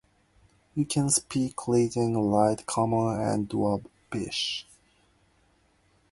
You can speak, read, and write Common and Dwarvish.